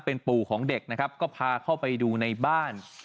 เป็นปู่ของเด็กนะครับก็พาเข้าไปดูในบ้าน